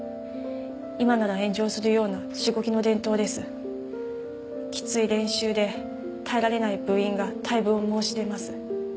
今なら炎上するようなしごきの伝統ですきつい練習で耐えられない部員が退部を申し出ます